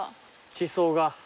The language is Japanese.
地層が。